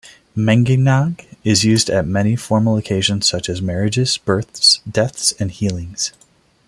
Menginang is used at many formal occasions such as marriages, births, deaths, and healings.